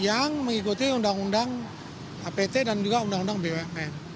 yang mengikuti undang undang apt dan juga undang undang bumn